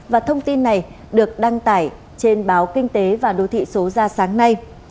và thông tin này được đăng tải trên báo kinh tế và đô thị số ra sáng nay